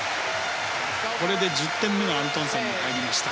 これで１０点目がアントンセンに入りました。